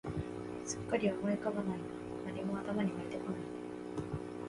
すっかり思い浮かばないな、何も頭に湧いてこないんだよ